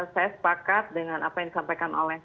saya sepakat dengan apa yang disampaikan oleh